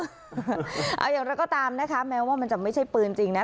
เอาอย่างไรก็ตามนะคะแม้ว่ามันจะไม่ใช่ปืนจริงนะ